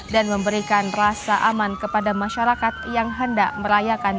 dan memberikan rasa aman kepada masyarakat yang hendak merayakan